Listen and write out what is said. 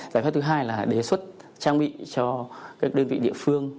giải pháp thứ hai là đề xuất trang bị cho các đơn vị địa phương